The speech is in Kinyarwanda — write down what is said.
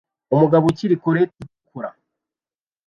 Umugabo kuri roketi itukura